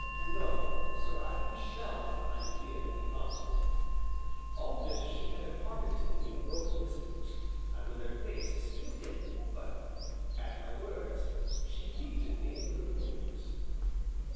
"No," said I, "he shall not find you here when he comes." All this she had imparted to me in broken whispers, and with her face still hidden, but, at my words, she peeped at me through her fingers.